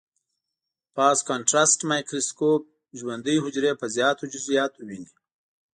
فاز کانټرسټ مایکروسکوپ ژوندۍ حجرې په زیاتو جزئیاتو ويني.